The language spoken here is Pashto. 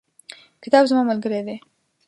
کتاب زما ملګری دی.